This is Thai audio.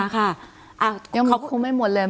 คู่ไม่มวลเลย